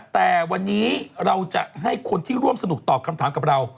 แต่วันนี้เราจะให้คนที่ร่วมสนุกตอบคำถามกับเรา